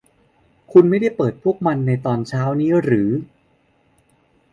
คุณไม่ได้เปิดพวกมันในตอนเช้านี้หรือ